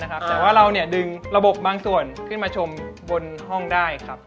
แต่ว่าเราดึงระบบบางส่วนขึ้นมาชมบนห้องได้ครับ